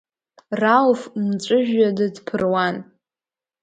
Рауф мҵәыжәҩада дԥыруан.